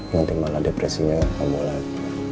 nanti malah depresinya akan bolak